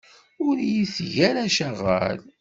Ur iyi-teg ara acaɣal.